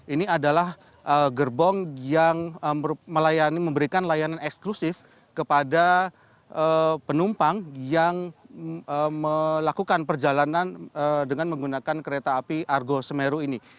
ini adalah gerbong yang memberikan layanan eksklusif kepada penumpang yang melakukan perjalanan dengan menggunakan kereta api argo semeru ini